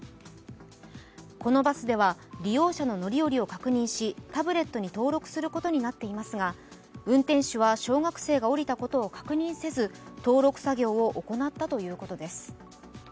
このバスでは利用者の乗り降りを確認しタブレットに登録することになっていますが運転手は小学生が降りたことを確認せず登録作業を行ったということです。